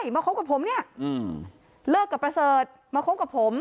มาคบกับผมเนี่ยเลิกกับประเสริฐมาคบกับผม